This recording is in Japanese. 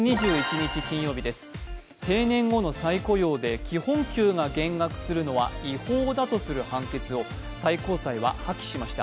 定年後の再雇用で基本給が減額するのは違法だとする判決を最高裁は破棄しました。